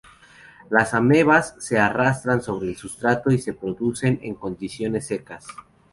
Las amebas se arrastran sobre el sustrato y se producen en condiciones secas.